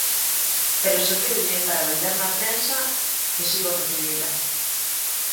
Pero serviulle para vender na prensa que si os recibira.